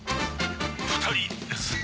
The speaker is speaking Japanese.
２人です。